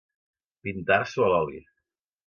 Pintar-s'ho a l'oli.